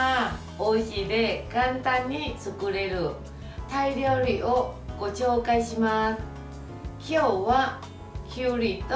おうちで簡単に作れるタイ料理をご紹介します。